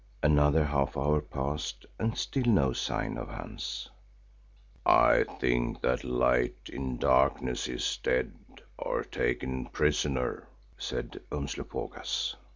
Another half hour passed and still no sign of Hans. "I think that Light in Darkness is dead or taken prisoner," said Umslopogaas.